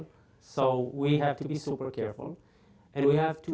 jadi kita harus sangat berhati hati